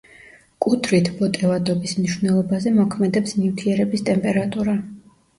კუთრი თბოტევადობის მნიშვნელობაზე მოქმედებს ნივთიერების ტემპერატურა.